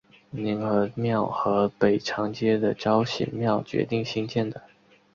凝和庙和北长街的昭显庙决定兴建的。